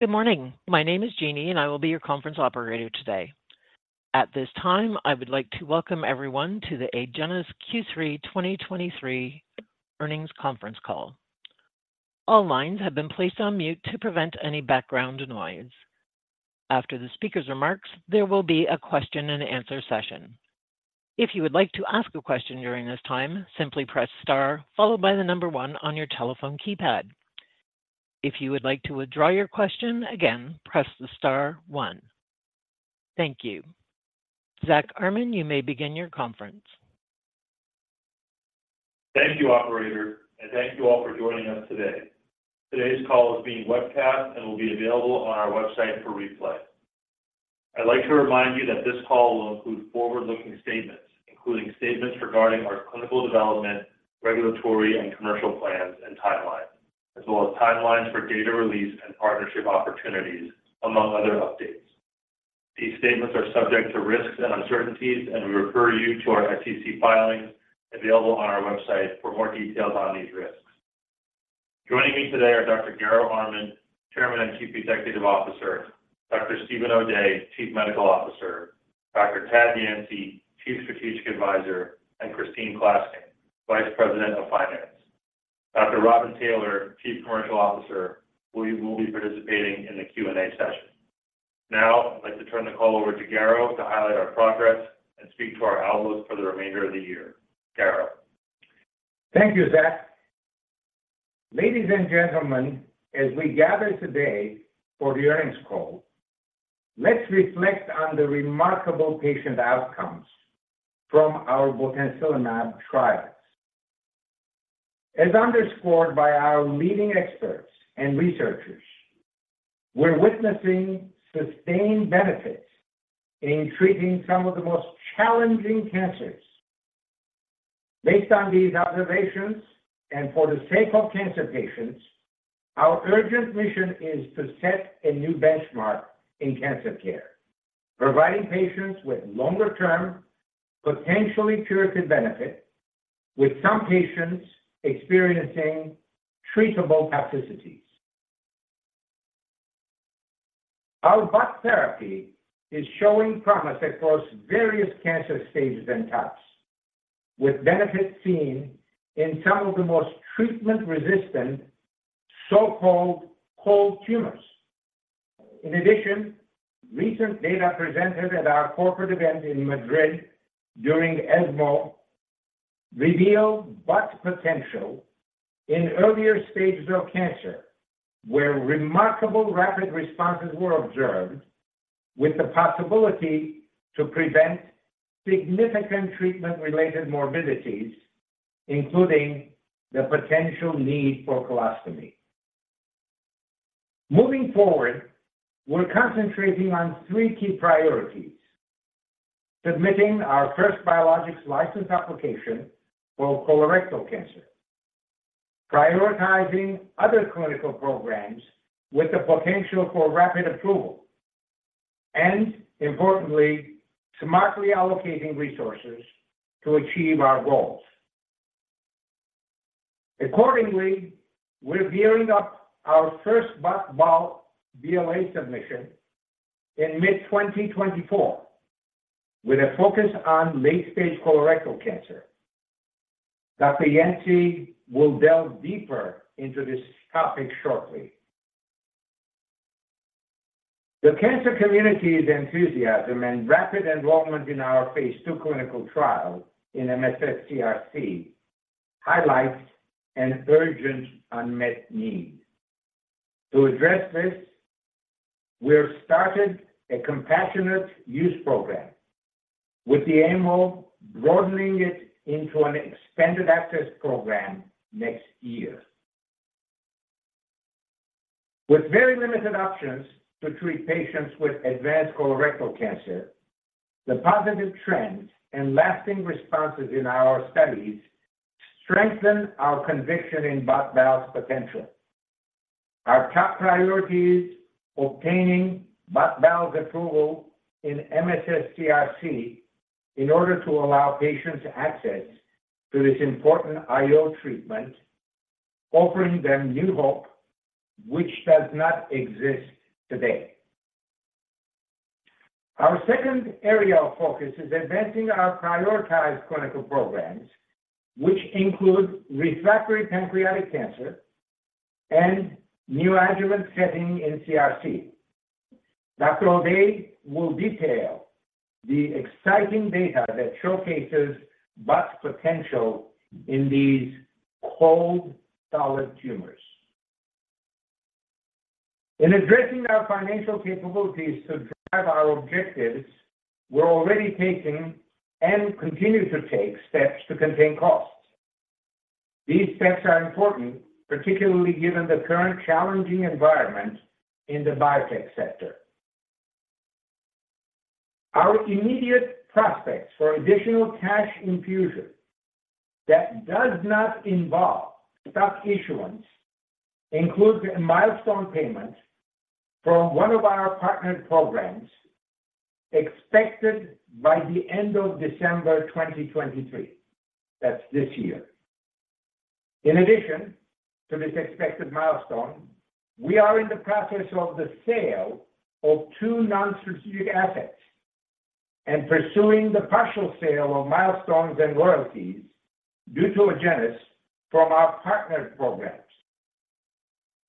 Good morning. My name is Jeannie, and I will be your conference operator today. At this time, I would like to welcome everyone to the Agenus Q3 2023 Earnings Conference Call. All lines have been placed on mute to prevent any background noise. After the speaker's remarks, there will be a question and answer session. If you would like to ask a question during this time, simply press star followed by the number one on your telephone keypad. If you would like to withdraw your question, again, press the star one. Thank you. Zack Armen, you may begin your conference. Thank you, operator, and thank you all for joining us today. Today's call is being webcast and will be available on our website for replay. I'd like to remind you that this call will include forward-looking statements, including statements regarding our clinical development, regulatory and commercial plans and timelines, as well as timelines for data release and partnership opportunities, among other updates. These statements are subject to risks and uncertainties, and we refer you to our SEC filings available on our website for more details on these risks. Joining me today are Dr. Garo Armen, Chairman and Chief Executive Officer, Dr. Steven O'Day, Chief Medical Officer, Dr. Todd Yancey, Chief Strategic Advisor, and Christine Klaskin, Vice President of Finance. Dr. Robin Taylor, Chief Commercial Officer, will be participating in the Q&A session. Now, I'd like to turn the call over to Garo to highlight our progress and speak to our outlooks for the remainder of the year. Garo? Thank you, Zack. Ladies and gentlemen, as we gather today for the earnings call, let's reflect on the remarkable patient outcomes from our botensilimab trials. As underscored by our leading experts and researchers, we're witnessing sustained benefits in treating some of the most challenging cancers. Based on these observations, and for the sake of cancer patients, our urgent mission is to set a new benchmark in cancer care, providing patients with longer-term, potentially curative benefit, with some patients experiencing treatable toxicities. Our BOT therapy is showing promise across various cancer stages and types, with benefits seen in some of the most treatment-resistant, so-called cold tumors. In addition, recent data presented at our corporate event in Madrid during ESMO revealed BOT potential in earlier stages of cancer, where remarkable rapid responses were observed, with the possibility to prevent significant treatment-related morbidities, including the potential need for colostomy. Moving forward, we're concentrating on three key priorities: submitting our first biologics license application for colorectal cancer, prioritizing other clinical programs with the potential for rapid approval, and importantly, smartly allocating resources to achieve our goals. Accordingly, we're gearing up our first BOT/BAL BLA submission in mid-2024, with a focus on late-stage colorectal cancer. Dr. Yancey will delve deeper into this topic shortly. The cancer community's enthusiasm and rapid enrollment in our phase II clinical trial in MSS CRC highlights an urgent unmet need. To address this, we've started a compassionate use program with the aim of broadening it into an expanded access program next year. With very limited options to treat patients with advanced colorectal cancer, the positive trends and lasting responses in our studies strengthen our conviction in BOT/BAL's potential. Our top priority is obtaining BOT/BAL's approval in MSS CRC in order to allow patients access to this important IO treatment, offering them new hope, which does not exist today. Our second area of focus is advancing our prioritized clinical programs, which include refractory pancreatic cancer and neoadjuvant setting in CRC. Dr. O'Day will detail the exciting data that showcases BOT's potential in these cold, solid tumors. In addressing our financial capabilities to drive our objectives, we're already taking and continue to take steps to contain costs. These steps are important, particularly given the current challenging environment in the biotech sector. Our immediate prospects for additional cash infusion that does not involve stock issuance includes a milestone payment from one of our partnered programs expected by the end of December 2023. That's this year.... In addition to this expected milestone, we are in the process of the sale of two non-strategic assets and pursuing the partial sale of milestones and royalties due to Agenus from our partner programs.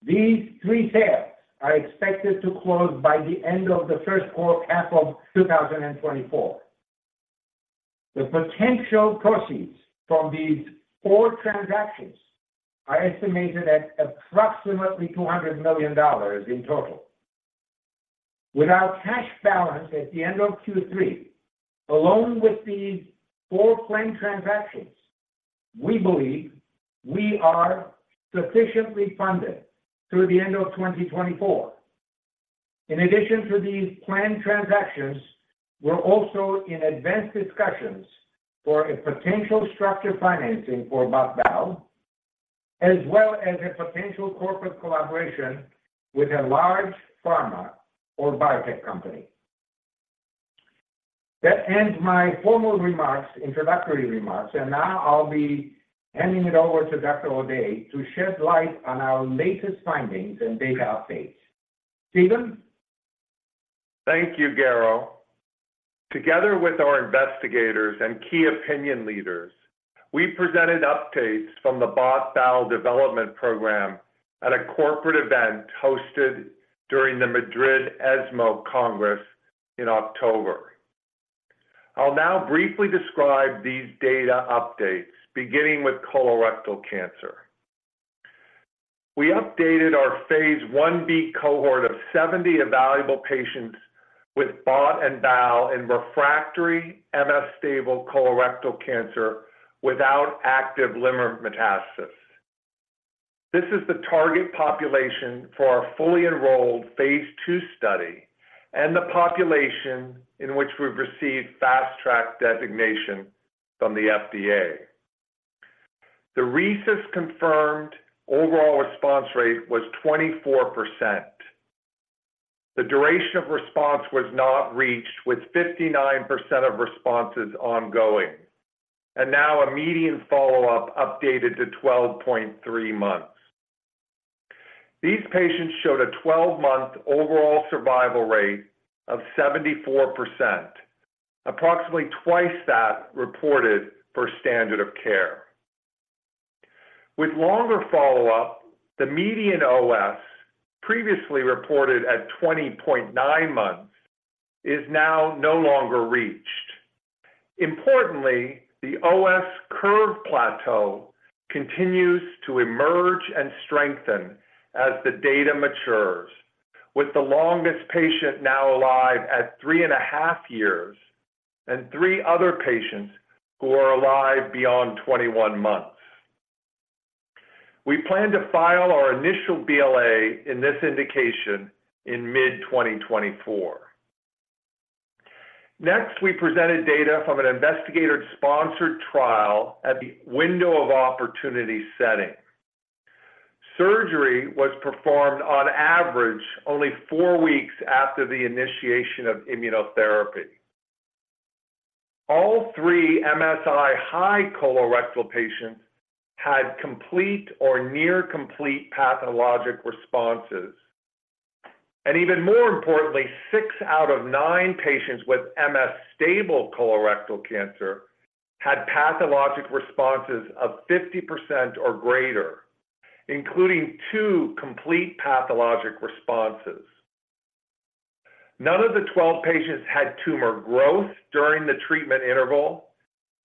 These three sales are expected to close by the end of the first quarter half of 2024. The potential proceeds from these four transactions are estimated at approximately $200 million in total. With our cash balance at the end of Q3, along with these four planned transactions, we believe we are sufficiently funded through the end of 2024. In addition to these planned transactions, we're also in advanced discussions for a potential structured financing for BOT/BAL, as well as a potential corporate collaboration with a large pharma or biotech company. That ends my formal remarks, introductory remarks, and now I'll be handing it over to Dr. O’Day to shed light on our latest findings and data updates. Steven? Thank you, Garo. Together with our investigators and key opinion leaders, we presented updates from the BOT/BAL development program at a corporate event hosted during the Madrid ESMO Congress in October. I'll now briefly describe these data updates, beginning with colorectal cancer. We updated our phase Ib cohort of 70 evaluable patients with bot and bal in refractory MSS-stable colorectal cancer without active liver metastasis. This is the target population for our fully enrolled Phase II study and the population in which we've received Fast Track designation from the FDA. The RECIST-confirmed overall response rate was 24%. The duration of response was not reached, with 59% of responses ongoing, and now a median follow-up updated to 12.3 months. These patients showed a 12-month overall survival rate of 74%, approximately twice that reported for standard of care. With longer follow-up, the median OS, previously reported at 20.9 months, is now no longer reached. Importantly, the OS curve plateau continues to emerge and strengthen as the data matures, with the longest patient now alive at three and half years and three other patients who are alive beyond 21 months. We plan to file our initial BLA in this indication in mid-2024. Next, we presented data from an investigator-sponsored trial at the Window of Opportunity setting. Surgery was performed on average only four weeks after the initiation of immunotherapy. All three MSI-H colorectal patients had complete or near-complete pathologic responses. And even more importantly, six out of nine patients with MSS colorectal cancer had pathologic responses of 50% or greater, including two complete pathologic responses. None of the 12 patients had tumor growth during the treatment interval,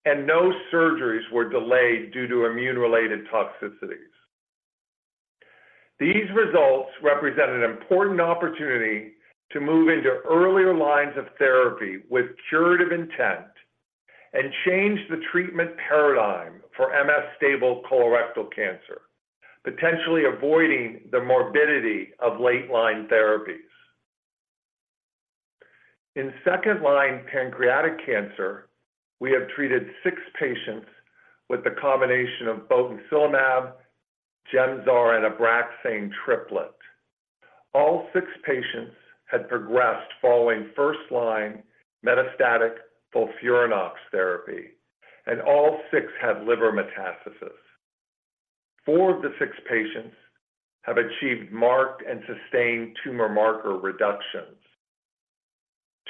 and no surgeries were delayed due to immune-related toxicities. These results represent an important opportunity to move into earlier lines of therapy with curative intent and change the treatment paradigm for MSS stable colorectal cancer, potentially avoiding the morbidity of late-line therapies. In second-line pancreatic cancer, we have treated six patients with a combination of botensilimab, Gemzar, and Abraxane triplet. All six patients had progressed following first-line metastatic FOLFIRINOX therapy, and all six had liver metastasis. Four of the six patients have achieved marked and sustained tumor marker reductions.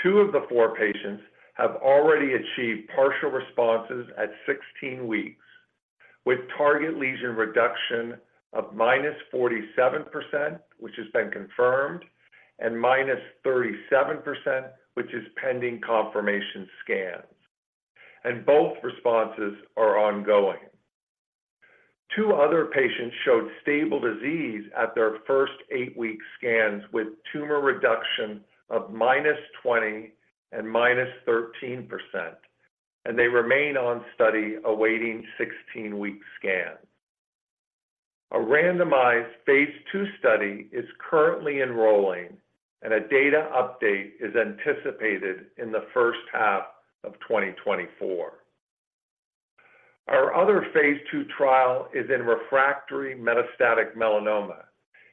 Two of the four patients have already achieved partial responses at 16 weeks, with target lesion reduction of -47%, which has been confirmed, and -37%, which is pending confirmation scans, and both responses are ongoing. Two other patients showed stable disease at their first eight-week scans, with tumor reduction of -20% and -13%, and they remain on study awaiting 16-week scans. A randomized Phase II study is currently enrolling, and a data update is anticipated in the first half of 2024. Our other Phase II trial is in refractory metastatic melanoma,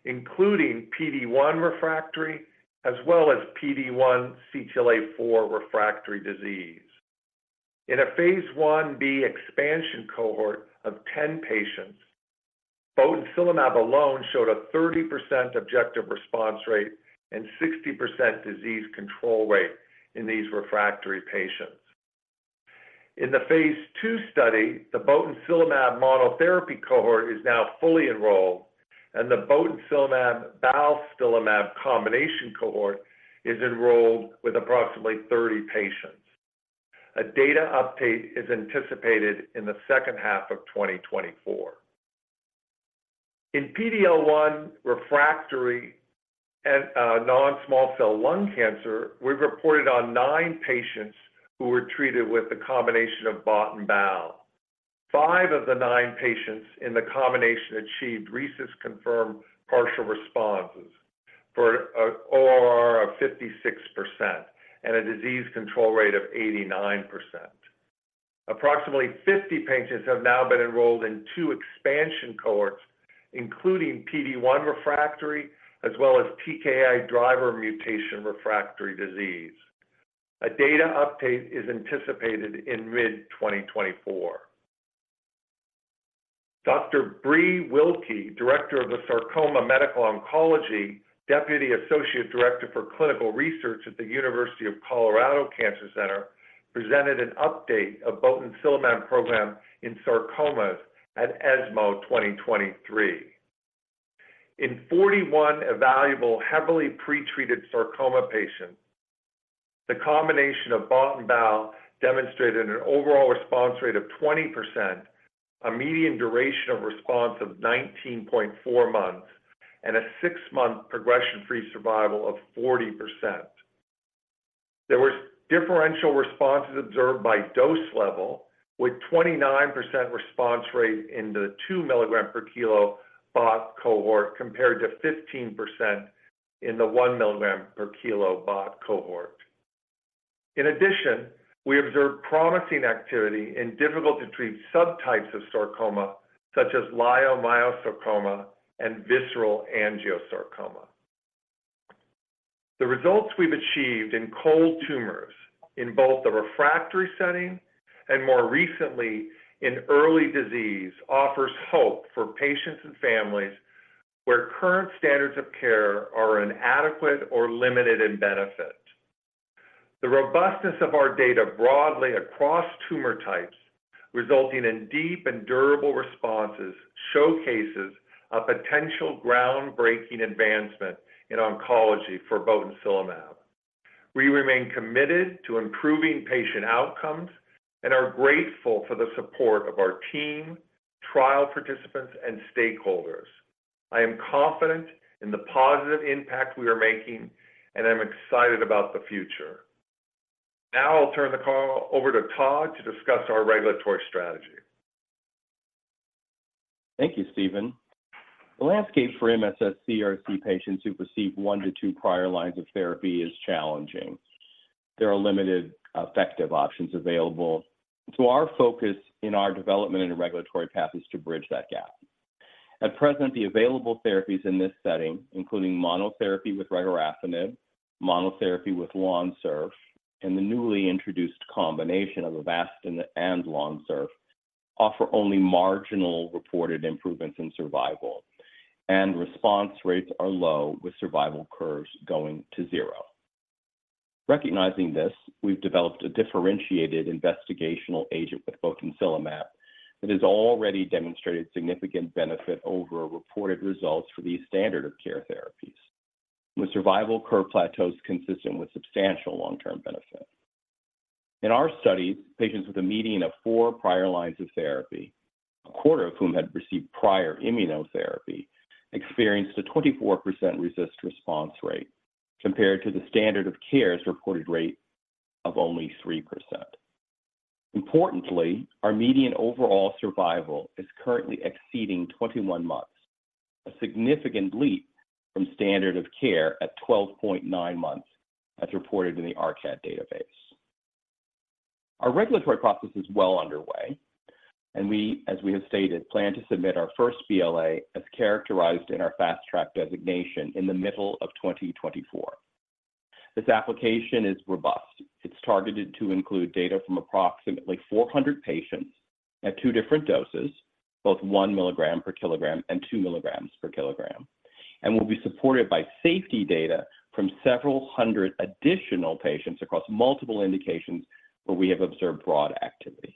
including PD-1 refractory as well as PD-1 CTLA-4 refractory disease.... In a Phase Ib expansion cohort of 10 patients, botensilimab alone showed a 30% objective response rate and 60% disease control rate in these refractory patients. In the Phase II study, the botensilimab monotherapy cohort is now fully enrolled, and the botensilimab balstilimab combination cohort is enrolled with approximately 30 patients. A data update is anticipated in the second half of 2024. In PD-L1 refractory and non-small cell lung cancer, we've reported on nine patients who were treated with a combination of BOT and BAL. Five of the nine patients in the combination achieved RECIST-confirmed partial responses for an ORR of 56% and a disease control rate of 89%. Approximately 50 patients have now been enrolled in two expansion cohorts, including PD-1 refractory, as well as TKI driver mutation refractory disease. A data update is anticipated in mid-2024. Dr. Breelyn Wilky, Director of Sarcoma Medical Oncology, Deputy Associate Director for Clinical Research at the University of Colorado Cancer Center, presented an update of botensilimab program in sarcomas at ESMO 2023. In 41 evaluable, heavily pretreated sarcoma patients, the combination of BOT and BAL demonstrated an overall response rate of 20%, a median duration of response of 19.4 months, and a six-month progression-free survival of 40%. There were differential responses observed by dose level, with 29% response rate in the 2 mg/kg BOT cohort, compared to 15% in the 1 mg/kg BOT cohort. In addition, we observed promising activity in difficult to treat subtypes of sarcoma, such as leiomyosarcoma and visceral angiosarcoma. The results we've achieved in cold tumors, in both the refractory setting and more recently in early disease, offers hope for patients and families where current standards of care are inadequate or limited in benefit. The robustness of our data broadly across tumor types, resulting in deep and durable responses, showcases a potential groundbreaking advancement in oncology for botensilimab. We remain committed to improving patient outcomes and are grateful for the support of our team, trial participants, and stakeholders. I am confident in the positive impact we are making, and I'm excited about the future. Now I'll turn the call over to Todd to discuss our regulatory strategy. Thank you, Steven. The landscape for MSS CRC patients who've received one-two prior lines of therapy is challenging. There are limited effective options available, so our focus in our development and regulatory path is to bridge that gap. At present, the available therapies in this setting, including monotherapy with regorafenib, monotherapy with Lonsurf, and the newly introduced combination of Avastin and Lonsurf, offer only marginal reported improvements in survival, and response rates are low, with survival curves going to zero. Recognizing this, we've developed a differentiated investigational agent with botensilimab that has already demonstrated significant benefit over reported results for these standard-of-care therapies, with survival curve plateaus consistent with substantial long-term benefit. In our studies, patients with a median of four prior lines of therapy, a quarter of whom had received prior immunotherapy, experienced a 24% RECIST response rate compared to the standard of care's reported rate of only 3%. Importantly, our median overall survival is currently exceeding 21 months, a significant leap from standard of care at 12.9 months, as reported in the ARCAD database. Our regulatory process is well underway, and we, as we have stated, plan to submit our first BLA, as characterized in our Fast Track designation, in the middle of 2024. This application is robust. It's targeted to include data from approximately 400 patients at two different doses, both 1 mg/kg and 2 mg/kg, and will be supported by safety data from several hundred additional patients across multiple indications where we have observed broad activity.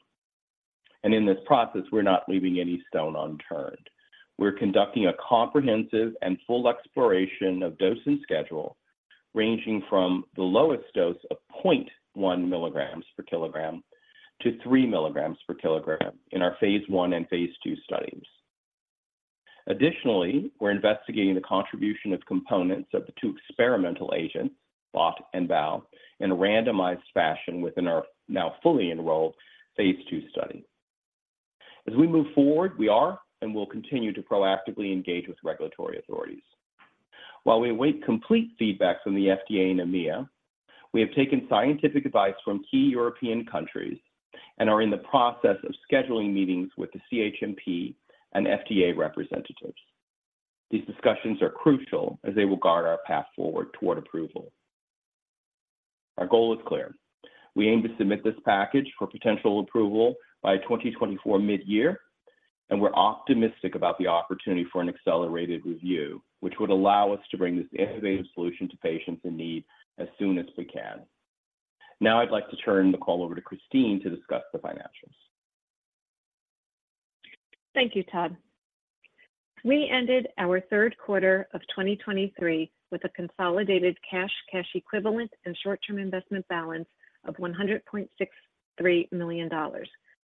In this process, we're not leaving any stone unturned. We're conducting a comprehensive and full exploration of dose and schedule, ranging from the lowest dose of 0.1 milligrams per kilogram to 3 milligrams per kilogram in our phase I and phase II studies. Additionally, we're investigating the contribution of components of the two experimental agents, BOT and BAL, in a randomized fashion within our now fully enrolled phase II study. As we move forward, we are and will continue to proactively engage with regulatory authorities. While we await complete feedback from the FDA and EMEA, we have taken scientific advice from key European countries and are in the process of scheduling meetings with the CHMP and FDA representatives. These discussions are crucial as they will guard our path forward toward approval. Our goal is clear: we aim to submit this package for potential approval by 2024 mid-year, and we're optimistic about the opportunity for an accelerated review, which would allow us to bring this innovative solution to patients in need as soon as we can. Now I'd like to turn the call over to Christine to discuss the financials. Thank you, Todd. We ended our third quarter of 2023 with a consolidated cash, cash equivalent, and short-term investment balance of $106.3 million.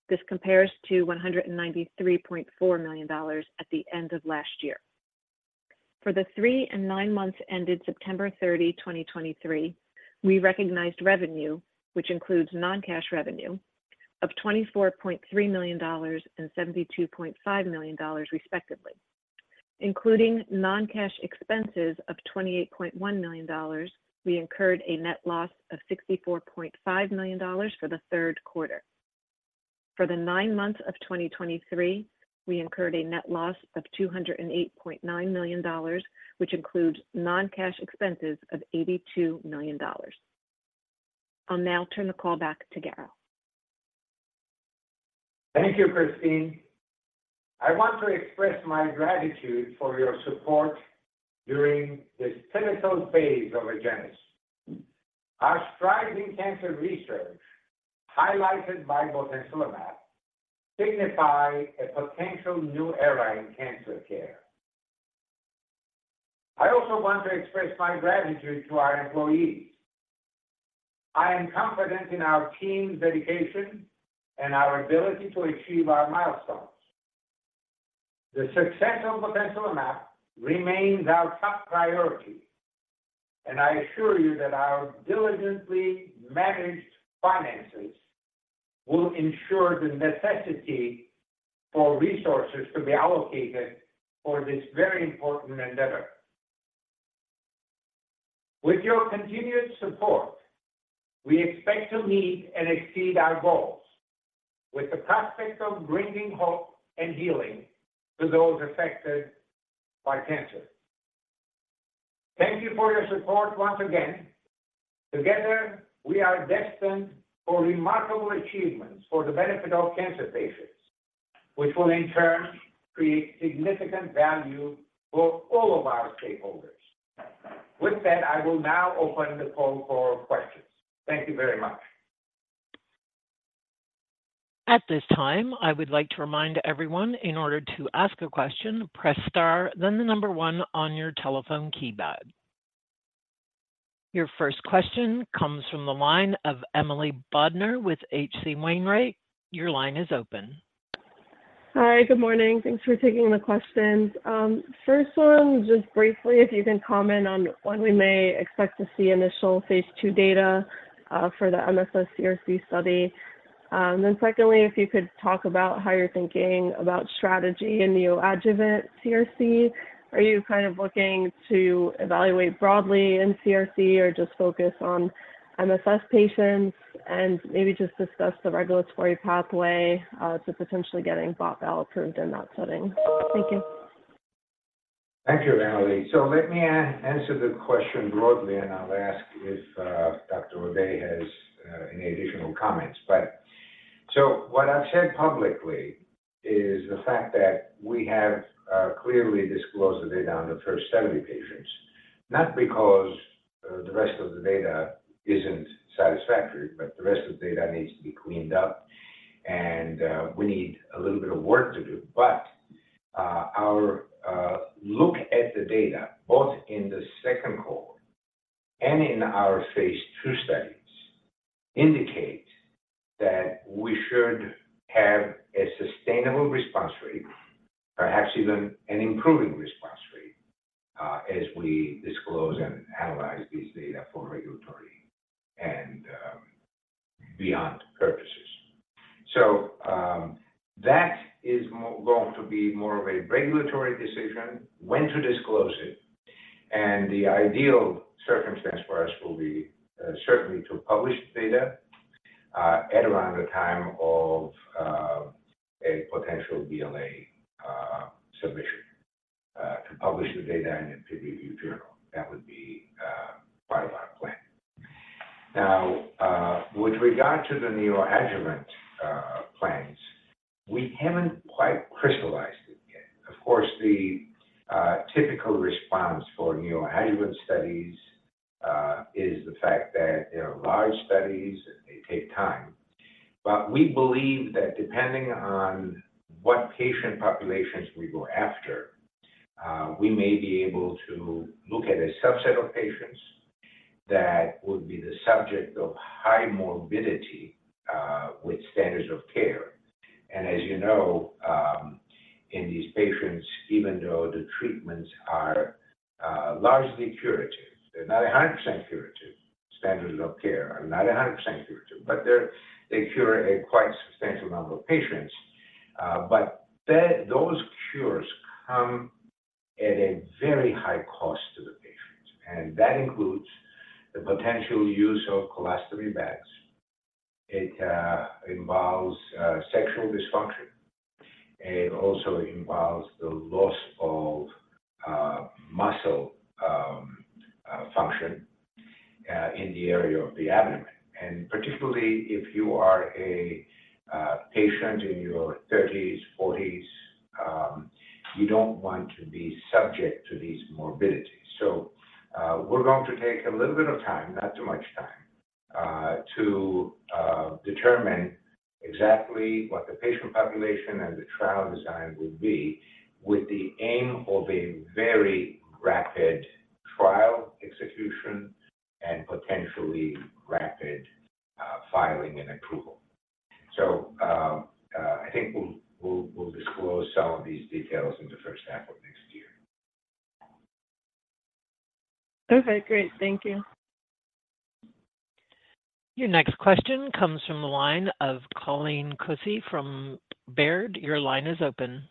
This compares to $193.4 million at the end of last year. For the three and nine months ended September 30, 2023, we recognized revenue, which includes non-cash revenue, of $24.3 million and $72.5 million, respectively. Including non-cash expenses of $28.1 million, we incurred a net loss of $64.5 million for the third quarter. For the nine months of 2023, we incurred a net loss of $208.9 million, which includes non-cash expenses of $82 million. I'll now turn the call back to Garo. Thank you, Christine. I want to express my gratitude for your support during this pivotal phase of Agenus. Our strides in cancer research, highlighted by botensilimab, signify a potential new era in cancer care. I also want to express my gratitude to our employees. I am confident in our team's dedication and our ability to achieve our milestones. The success of botensilimab remains our top priority, and I assure you that our diligently managed finances will ensure the necessity for resources to be allocated for this very important endeavor. With your continued support, we expect to meet and exceed our goals with the prospect of bringing hope and healing to those affected by cancer. Thank you for your support once again. Together, we are destined for remarkable achievements for the benefit of cancer patients, which will in turn create significant value for all of our stakeholders. With that, I will now open the call for questions. Thank you very much. At this time, I would like to remind everyone, in order to ask a question, press Star, then the number one on your telephone keypad. Your first question comes from the line of Emily Bodnar with H.C. Wainwright. Your line is open. Hi, good morning. Thanks for taking the questions. First one, just briefly, if you can comment on when we may expect to see initial phase II data for the MSS CRC study. Then secondly, if you could talk about how you're thinking about strategy in neoadjuvant CRC. Are you kind of looking to evaluate broadly in CRC or just focus on MSS patients, and maybe just discuss the regulatory pathway to potentially getting BOT/BAL approved in that setting? Thank you. Thank you, Emily. So let me answer the question broadly, and I'll ask if Dr. O'Day has any additional comments. But so what I've said publicly is the fact that we have clearly disclosed the data on the first 70 patients, not because the rest of the data isn't satisfactory, but the rest of the data needs to be cleaned up and we need a little bit of work to do. But our look at the data, both in the second cohort and in our phase II studies, indicate that we should have a sustainable response rate, perhaps even an improving response rate, as we disclose and analyze these data for regulatory and beyond purposes. So, that is more of a regulatory decision, when to disclose it, and the ideal circumstance for us will be certainly to publish data at around the time of a potential BLA submission to publish the data in a peer-reviewed journal. That would be part of our plan. Now, with regard to the neoadjuvant plans, we haven't quite crystallized it yet. Of course, the typical response for neoadjuvant studies is the fact that they are large studies, and they take time. But we believe that depending on what patient populations we go after, we may be able to look at a subset of patients that would be the subject of high morbidity with standards of care. As you know, in these patients, even though the treatments are largely curative, they're not 100% curative. Standards of care are not 100% curative, but they cure a quite substantial number of patients. But those cures come at a very high cost to the patients, and that includes the potential use of colostomy bags. It involves sexual dysfunction. It also involves the loss of muscle function in the area of the abdomen. And particularly if you are a patient in your thirties, forties, you don't want to be subject to these morbidities. So, we're going to take a little bit of time, not too much time, to determine exactly what the patient population and the trial design would be, with the aim of a very rapid trial execution and potentially rapid filing and approval. So, I think we'll disclose some of these details in the first half of next year. Okay, great. Thank you. Your next question comes from the line of Colleen Kusy from Baird. Your line is open.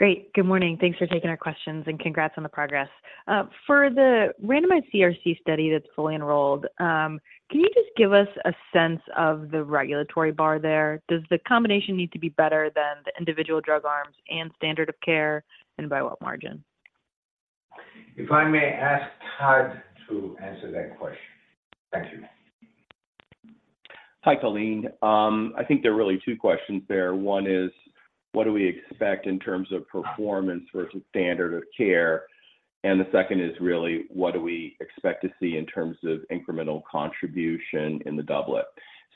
Great. Good morning. Thanks for taking our questions, and congrats on the progress. For the randomized CRC study that's fully enrolled, can you just give us a sense of the regulatory bar there? Does the combination need to be better than the individual drug arms and standard of care, and by what margin? If I may ask Tad to answer that question. Thank you. Hi, Colleen. I think there are really two questions there. One is, what do we expect in terms of performance versus standard of care? And the second is really, what do we expect to see in terms of incremental contribution in the doublet?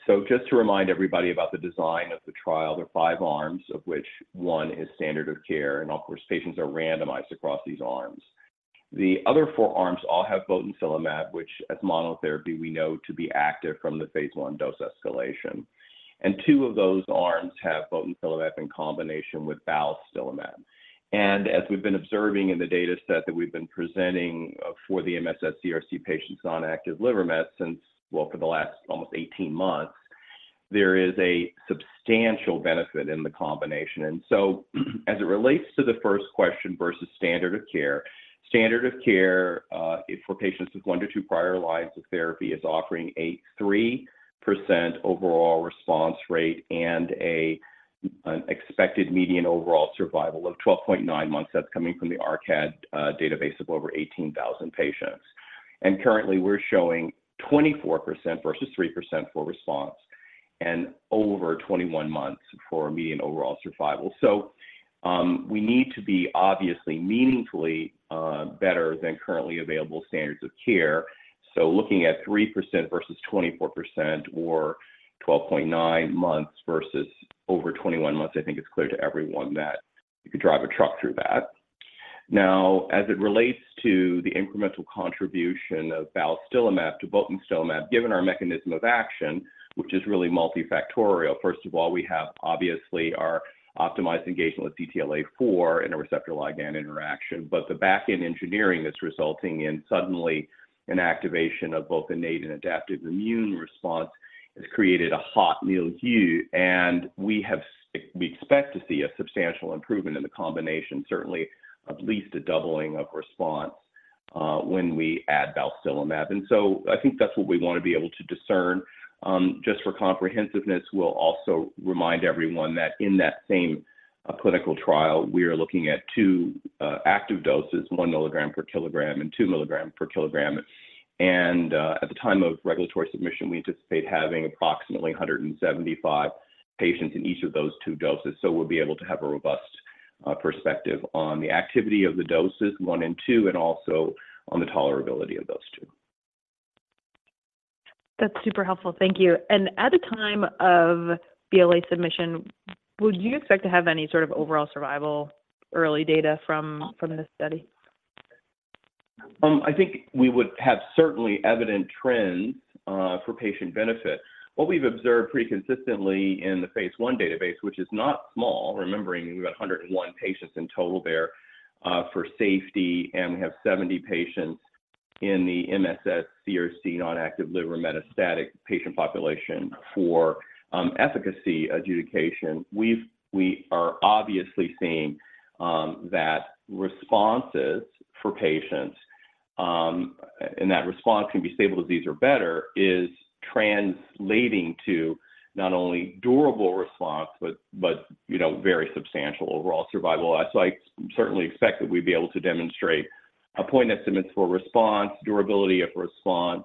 So just to remind everybody about the design of the trial, there are five arms, of which one is standard of care, and of course, patients are randomized across these arms. The other four arms all have botensilimab, which, as monotherapy, we know to be active from the phase I dose escalation. And two of those arms have botensilimab in combination with balstilimab. And as we've been observing in the data set that we've been presenting, for the MSS-CRC patients on active liver mets since, well, for the last almost 18 months, there is a substantial benefit in the combination. And so as it relates to the first question versus standard of care, standard of care, for patients with one-two prior lines of therapy, is offering a 3% overall response rate and an expected median overall survival of 12.9 months. That's coming from the ARCAD database of over 18,000 patients. And currently, we're showing 24% versus 3% for response and over 21 months for median overall survival. So, we need to be obviously meaningfully better than currently available standards of care. So looking at 3% versus 24% or 12.9 months versus over 21 months, I think it's clear to everyone that you could drive a truck through that. Now, as it relates to the incremental contribution of balstilimab to botensilimab, given our mechanism of action, which is really multifactorial, first of all, we have obviously our optimized engagement with CTLA-4 in a receptor ligand interaction. But the back-end engineering that's resulting in suddenly an activation of both innate and adaptive immune response, has created a hot milieu, and we expect to see a substantial improvement in the combination, certainly at least a doubling of response, when we add balstilimab. And so I think that's what we want to be able to discern. Just for comprehensiveness, we'll also remind everyone that in that same, clinical trial, we are looking at two, active doses, 1 milligram per kilogram and 2 milligrams per kilogram. At the time of regulatory submission, we anticipate having approximately 175 patients in each of those two doses. So we'll be able to have a robust perspective on the activity of the doses one and two, and also on the tolerability of those two. That's super helpful. Thank you. At the time of BLA submission, would you expect to have any sort of overall survival early data from, from this study? I think we would have certainly evident trends for patient benefit. What we've observed pretty consistently in the phase I database, which is not small, remembering we've got 101 patients in total there for safety, and we have 70 patients in the MSS-CRC non-active liver metastatic patient population for efficacy adjudication. We are obviously seeing that responses for patients and that response can be stable disease or better is translating to not only durable response but, you know, very substantial overall survival. So I certainly expect that we'd be able to demonstrate appointment estimates for response, durability of response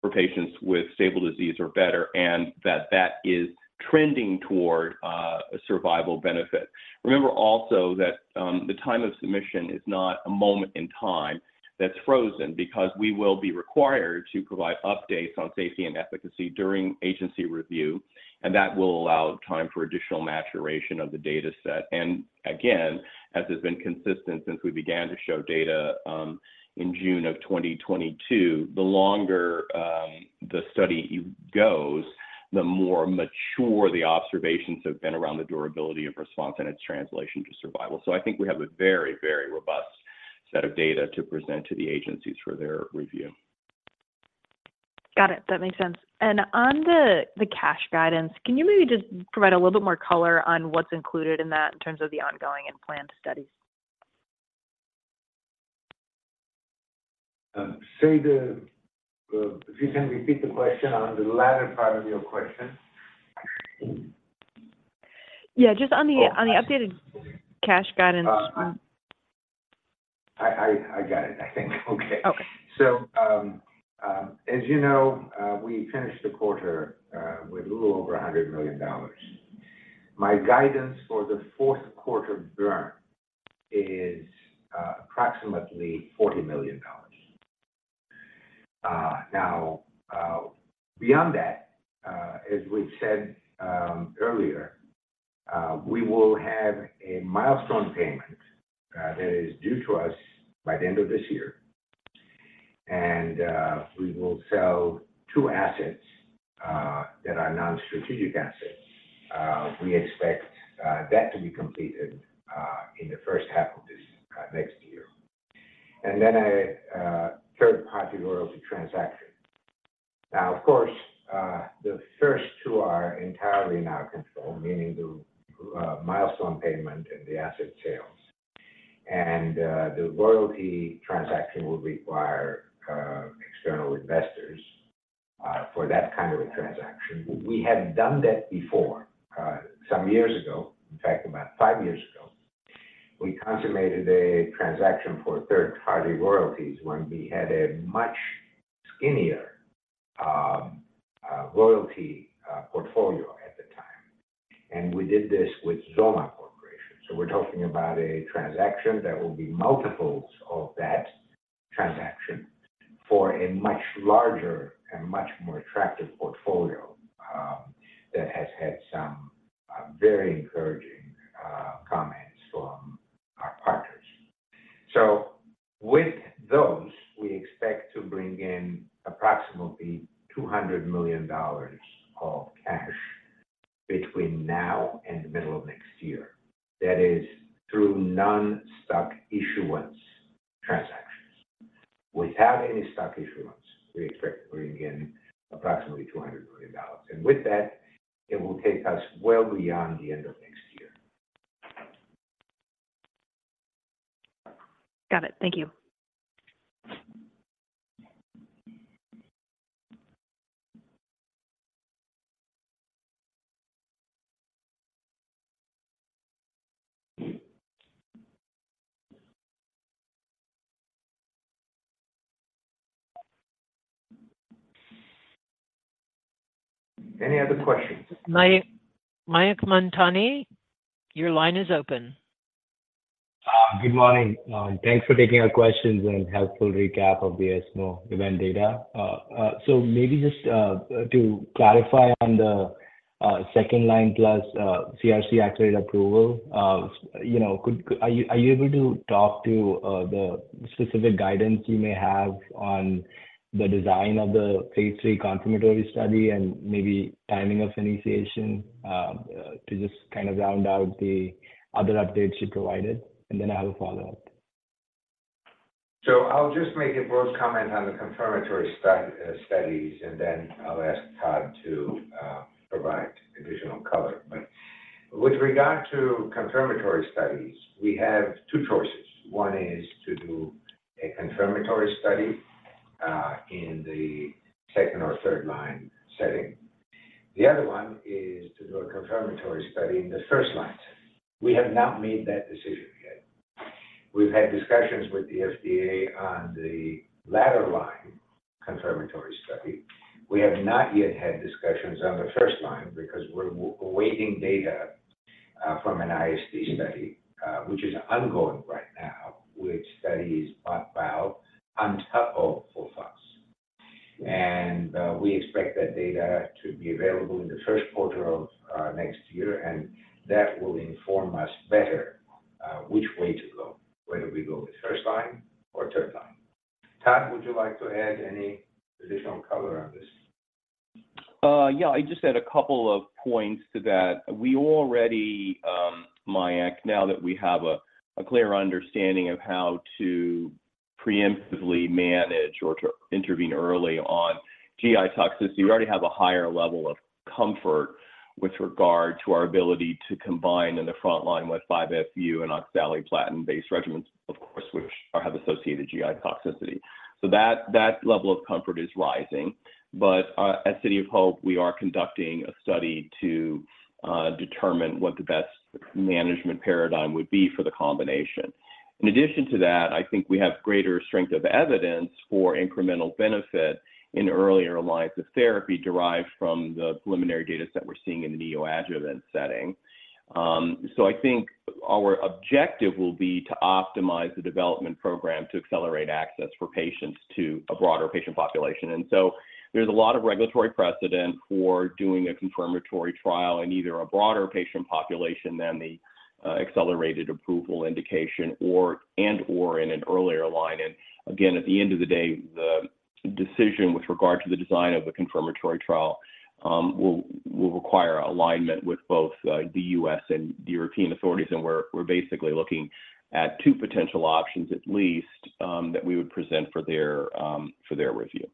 for patients with stable disease or better, and that that is trending toward a survival benefit. Remember also that, the time of submission is not a moment in time that's frozen, because we will be required to provide updates on safety and efficacy during agency review, and that will allow time for additional maturation of the dataset. And again, as has been consistent since we began to show data, in June of 2022, the longer, the study goes, the more mature the observations have been around the durability of response and its translation to survival. So I think we have a very, very robust set of data to present to the agencies for their review. Got it. That makes sense. And on the cash guidance, can you maybe just provide a little bit more color on what's included in that in terms of the ongoing and planned studies?... if you can repeat the question on the latter part of your question? Yeah, just on the updated cash guidance. I got it, I think. Okay. Okay. So, as you know, we finished the quarter with a little over $100 million. My guidance for the fourth quarter burn is approximately $40 million. Now, beyond that, as we've said earlier, we will have a milestone payment that is due to us by the end of this year, and we will sell two assets that are non-strategic assets. We expect that to be completed in the first half of next year. And then a third-party royalty transaction. Now, of course, the first two are entirely in our control, meaning the milestone payment and the asset sales. And the royalty transaction will require external investors for that kind of a transaction. We have done that before some years ago. In fact, about five years ago, we consummated a transaction for third-party royalties when we had a much skinnier royalty portfolio at the time, and we did this with XOMA Corporation. So we're talking about a transaction that will be multiples of that transaction for a much larger and much more attractive portfolio that has had some very encouraging comments from our partners. So with those, we expect to bring in approximately $200 million of cash between now and the middle of next year. That is through non-stock issuance transactions. Without any stock issuance, we expect to bring in approximately $200 million, and with that, it will take us well beyond the end of next year. Got it. Thank you. Any other questions? Mayank Mamtani, your line is open. Good morning. Thanks for taking our questions and helpful recap of the ESMO event data. So maybe just to clarify on the second-line plus CRC-accelerated approval, you know, could—are you able to talk to the specific guidance you may have on the design of the phase III confirmatory study and maybe timing of initiation to just kind of round out the other updates you provided? And then I have a follow-up. So I'll just make a broad comment on the confirmatory studies, and then I'll ask Tad to provide additional color. But with regard to confirmatory studies, we have two choices. One is to do a confirmatory study in the second or third-line setting. The other one is to do a confirmatory study in the first line. We have not made that decision yet. We've had discussions with the FDA on the latter line, confirmatory study. We have not yet had discussions on the first line because we're awaiting data from an IST study which is ongoing right now, which studies botensilimab on top of FOLFIRINOX. And we expect that data to be available in the first quarter of next year, and that will inform us better which way to go, whether we go with first line or third line. Todd, would you like to add any additional color on this? Yeah, I just add a couple of points to that. We already, Mayank, now that we have a clear understanding of how to preemptively manage or to intervene early on GI toxicity, we already have a higher level of comfort with regard to our ability to combine in the front line with 5-FU and oxaliplatin-based regimens, of course, which have associated GI toxicity. So that level of comfort is rising. But at City of Hope, we are conducting a study to determine what the best management paradigm would be for the combination. In addition to that, I think we have greater strength of evidence for incremental benefit in earlier lines of therapy derived from the preliminary data set we're seeing in the neoadjuvant setting. So I think our objective will be to optimize the development program to accelerate access for patients to a broader patient population. So there's a lot of regulatory precedent for doing a confirmatory trial in either a broader patient population than the accelerated approval indication or, and/or in an earlier line. Again, at the end of the day, the decision with regard to the design of the confirmatory trial will require alignment with both the U.S. and the European authorities, and we're basically looking at two potential options at least that we would present for their review....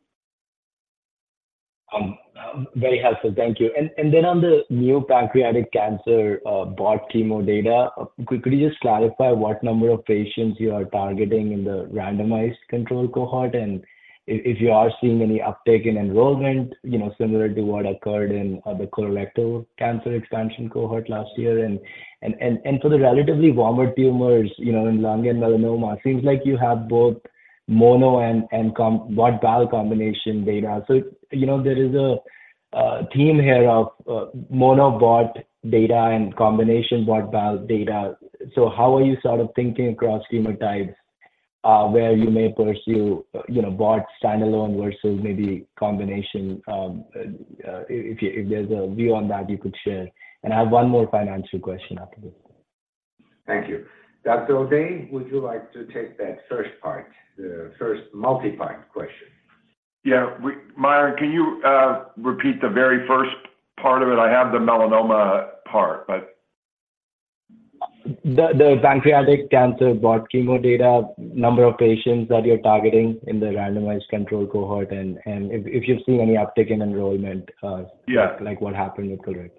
very helpful. Thank you. And then on the new pancreatic cancer, BOT chemo data, could you just clarify what number of patients you are targeting in the randomized control cohort? And if you are seeing any uptake in enrollment, you know, similar to what occurred in the colorectal cancer expansion cohort last year. And for the relatively warmer tumors, you know, in lung and melanoma, it seems like you have both mono and combo BOT/BAL combination data. So, you know, there is a ton here of mono BOT data and combination BOT/BAL data. So how are you sort of thinking across tumor types, where you may pursue, you know, BOT standalone versus maybe combination? If there's a view on that you could share. I have one more financial question after this. Thank you. Dr. O'Day, would you like to take that first part, the first multi-part question? Yeah. Mayank, can you repeat the very first part of it? I have the melanoma part, but. The pancreatic cancer BOT chemo data, number of patients that you're targeting in the randomized control cohort, and if you've seen any uptick in enrollment? Yeah... like what happened with Correct.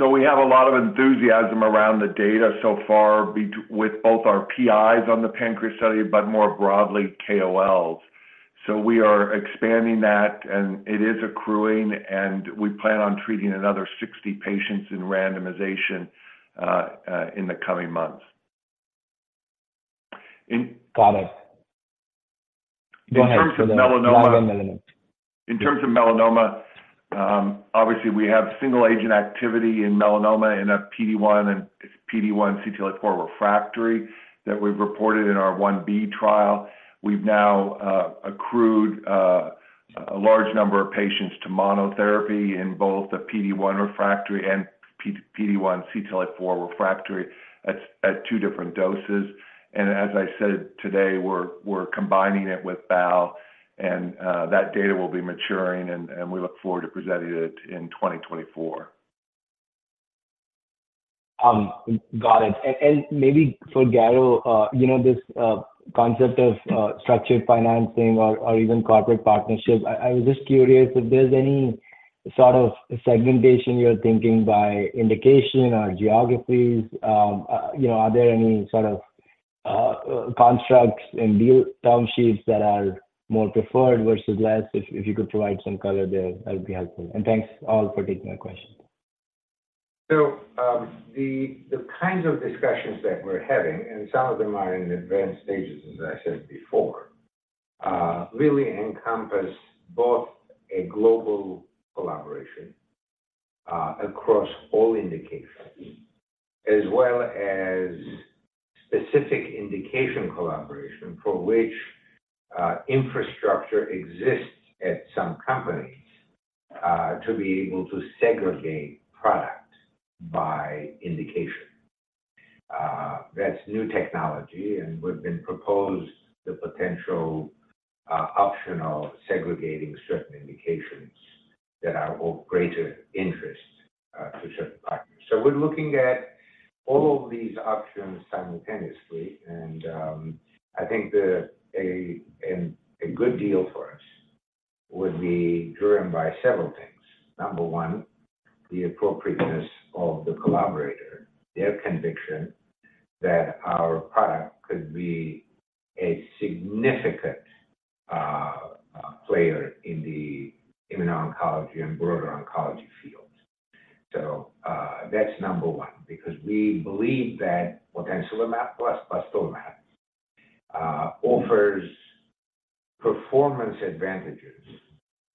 We have a lot of enthusiasm around the data so far with both our PIs on the pancreas study, but more broadly, KOLs. We are expanding that, and it is accruing, and we plan on treating another 60 patients in randomization in the coming months. Got it. In terms of melanoma- Melanoma. In terms of melanoma, obviously, we have single agent activity in melanoma in a PD-1 and PD-1 CTLA-4 refractory that we've reported in our 1b trial. We've now accrued a large number of patients to monotherapy in both the PD-1 refractory and PD-1 CTLA-4 refractory at two different doses. As I said today, we're combining it with BAL, and that data will be maturing, and we look forward to presenting it in 2024. Got it. And maybe for Garo, you know, this concept of structured financing or even corporate partnerships, I was just curious if there's any sort of segmentation you're thinking by indication or geographies. You know, are there any sort of constructs in deal term sheets that are more preferred versus less? If you could provide some color there, that would be helpful. And thanks all for taking my questions. So, the kinds of discussions that we're having, and some of them are in advanced stages, as I said before, really encompass both a global collaboration, across all indications, as well as specific indication collaboration, for which, infrastructure exists at some companies, to be able to segregate product by indication. That's new technology, and we've been proposed the potential, optional segregating certain indications that are of greater interest, to certain partners. So we're looking at all of these options simultaneously, and, I think a good deal for us would be driven by several things. Number one, the appropriateness of the collaborator, their conviction that our product could be a significant, player in the immuno-oncology and broader oncology field. So, that's number one, because we believe that botensilimab plus balstilimab offers performance advantages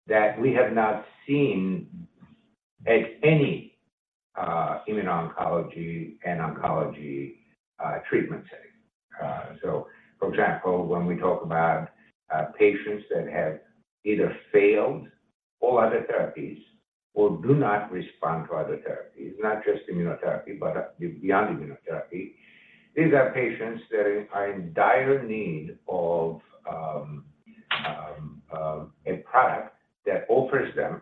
that we have not seen at any immuno-oncology and oncology treatment setting. So for example, when we talk about patients that have either failed all other therapies or do not respond to other therapies, not just immunotherapy, but beyond immunotherapy, these are patients that are in dire need of a product that offers them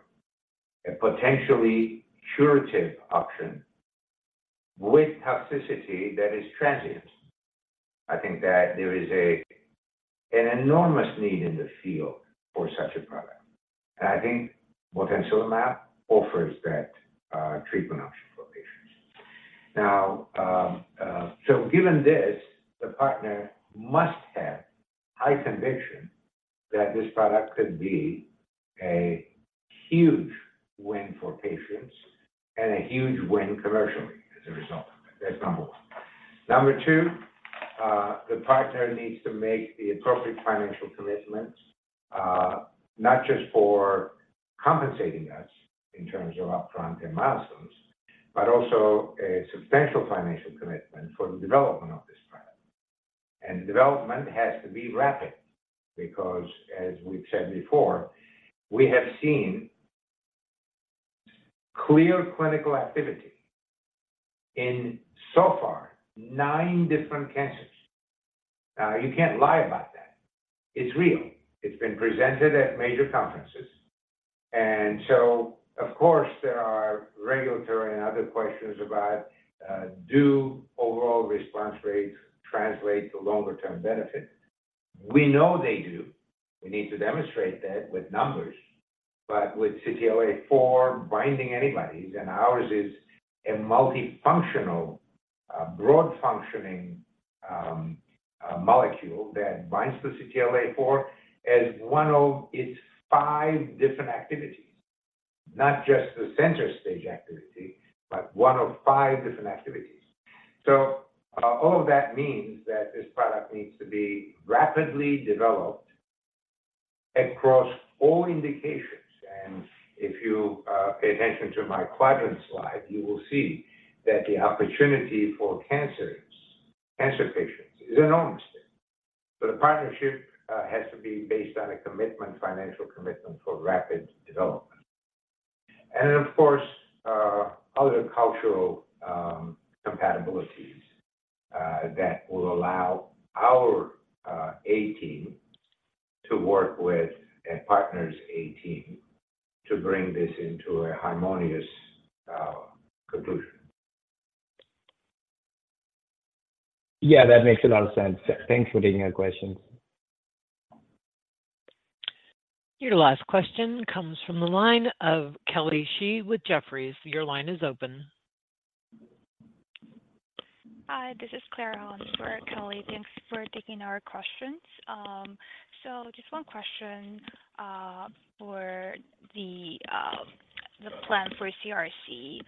a potentially curative option with toxicity that is transient. I think that there is an enormous need in the field for such a product, and I think botensilimab offers that treatment option for patients. Now, so given this, the partner must have high conviction that this product could be a huge win for patients and a huge win commercially as a result. That's number one. Number two, the partner needs to make the appropriate financial commitments, not just for compensating us in terms of upfront and milestones, but also a substantial financial commitment for the development of this product. And the development has to be rapid because, as we've said before, we have seen clear clinical activity in, so far, nine different cancers. Now, you can't lie about that. It's real. It's been presented at major conferences, and so... Of course, there are regulatory and other questions about, do overall response rates translate to longer-term benefits? We know they do. We need to demonstrate that with numbers. But with CTLA-4 binding antibodies, and ours is a multifunctional, broad functioning, molecule that binds the CTLA-4 as one of its 5 different activities, not just the center stage activity, but one of five different activities. All of that means that this product needs to be rapidly developed across all indications. If you pay attention to my quadrant slide, you will see that the opportunity for cancer patients is enormous there. A partnership has to be based on a commitment, financial commitment for rapid development. Of course, other cultural compatibilities that will allow our A team to work with a partner's A team to bring this into a harmonious conclusion. Yeah, that makes a lot of sense. Thanks for taking our questions. Your last question comes from the line of Kelly Shi with Jefferies. Your line is open. Hi, this is Claire on for Kelly. Thanks for taking our questions. So just one question for the plan for CRC.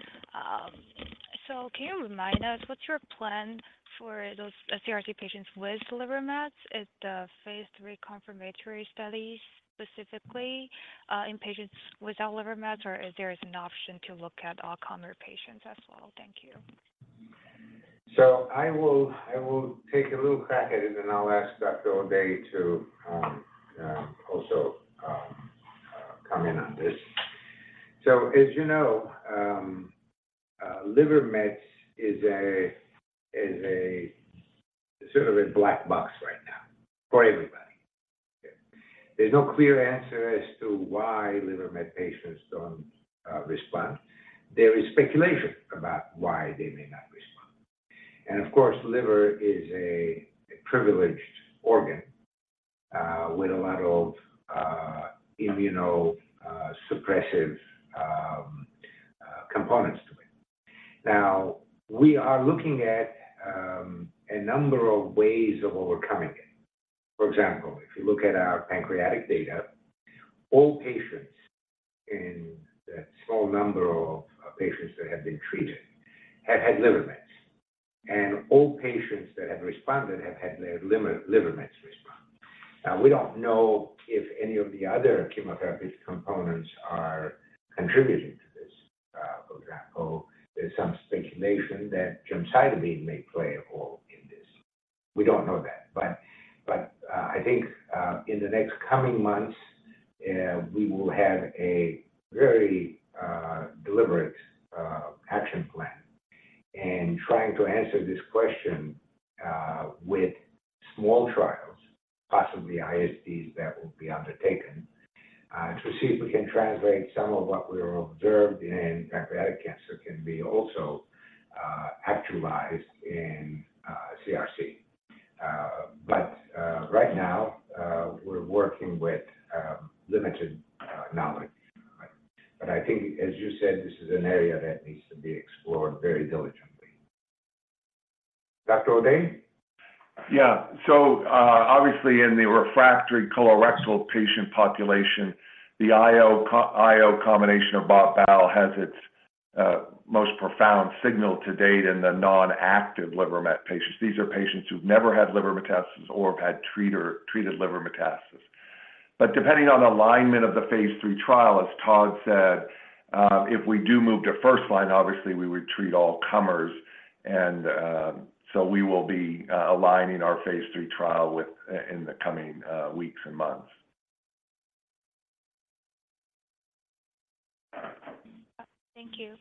So can you remind us what's your plan for those CRC patients with liver mets at the phase III confirmatory study, specifically in patients without liver mets, or if there is an option to look at all comer patients as well? Thank you. So I will, I will take a little crack at it, and then I'll ask Dr. O'Day to also comment on this. So as you know, liver mets is a sort of a black box right now for everybody. There's no clear answer as to why liver mets patients don't respond. There is speculation about why they may not respond. And of course, liver is a privileged organ with a lot of immunosuppressive components to it. Now, we are looking at a number of ways of overcoming it. For example, if you look at our pancreatic data, all patients in the small number of patients that have been treated have had liver mets, and all patients that have responded have had their liver, liver mets respond. Now, we don't know if any of the other chemotherapy components are contributing to this. For example, there's some speculation that gemcitabine may play a role in this. We don't know that, but I think in the next coming months we will have a very deliberate action plan in trying to answer this question with small trials, possibly ISDs, that will be undertaken to see if we can translate some of what we observed in pancreatic cancer can be also actualized in CRC. But right now, we're working with limited knowledge. But I think, as you said, this is an area that needs to be explored very diligently. Dr. O'Day? Yeah. So, obviously, in the refractory colorectal patient population, the IO co-- IO combination of BOT/BAL has its, most profound signal to date in the non-active liver met patients. These are patients who've never had liver metastases or have had treated liver metastases. But depending on alignment of the phase III trial, as Tad said, if we do move to first line, obviously we would treat all comers, and, so we will be aligning our phase III trial with, in the coming, weeks and months. Thank you.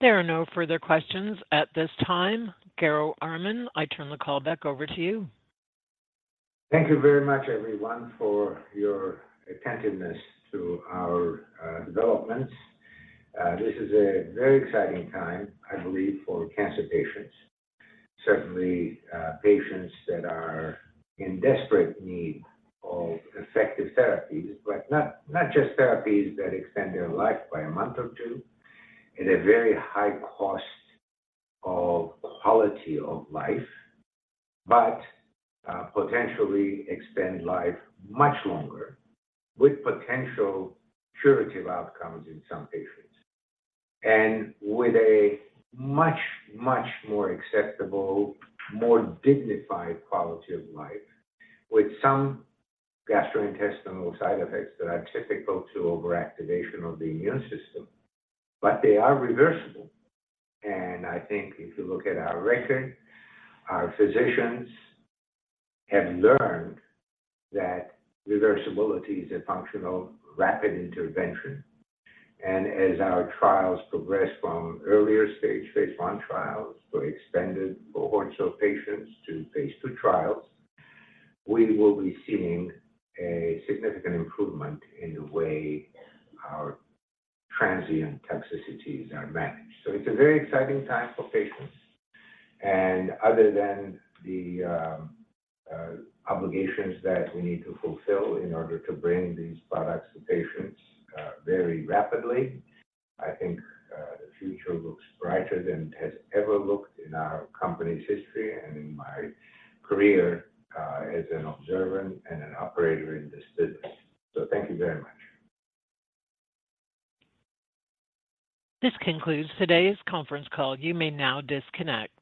There are no further questions at this time. Garo Armen, I turn the call back over to you. Thank you very much, everyone, for your attentiveness to our developments. This is a very exciting time, I believe, for cancer patients. Certainly, patients that are in desperate need of effective therapies, but not, not just therapies that extend their life by a month or two at a very high cost of quality of life, but potentially extend life much longer with potential curative outcomes in some patients, and with a much, much more acceptable, more dignified quality of life, with some gastrointestinal side effects that are typical to overactivation of the immune system. But they are reversible, and I think if you look at our record, our physicians have learned that reversibility is a function of rapid intervention. As our trials progress from earlier stage, phase I trials for expanded cohorts of patients to phase II trials, we will be seeing a significant improvement in the way how transient toxicities are managed. So it's a very exciting time for patients. Other than the obligations that we need to fulfill in order to bring these products to patients very rapidly, I think the future looks brighter than it has ever looked in our company's history and in my career as an observer and an operator in this business. So thank you very much. This concludes today's conference call. You may now disconnect.